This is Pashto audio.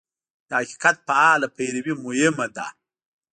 د حقیقت فعاله پیروي مهمه ده.